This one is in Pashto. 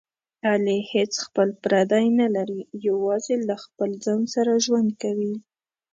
علي هېڅ خپل پردی نه لري، یوازې له خپل ځان سره ژوند کوي.